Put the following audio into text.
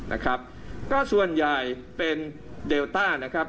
นะครับก็ส่วนใหญ่เป็นเดลต้านะครับ